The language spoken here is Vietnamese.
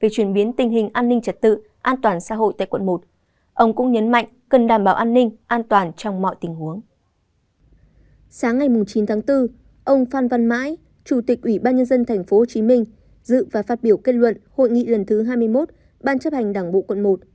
chủ tịch ủy ban nhân dân tp hcm dự và phát biểu kết luận hội nghị lần thứ hai mươi một ban chấp hành đảng bộ quận một